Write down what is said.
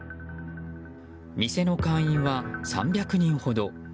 店の会員は３００人ほど。